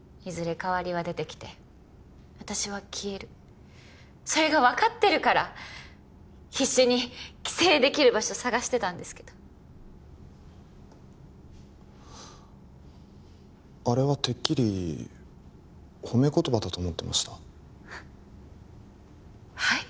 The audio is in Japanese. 代わりは出てきて私は消えるそれが分かってるから必死に寄生できる場所探してたんですけどあれはてっきり褒め言葉だと思ってましたはい？